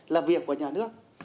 làm việc của nhà nước